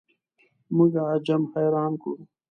موږ عجم حیران کړو.